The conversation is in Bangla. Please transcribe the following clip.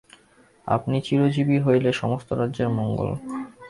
আপনি চিরজীবী হইলে সমস্ত রাজ্যের মঙ্গল।